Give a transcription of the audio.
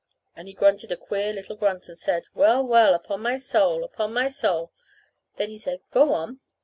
And he grunted a queer little grunt, and said, "Well, well, upon my soul, upon my soul!" Then he said, "Go on."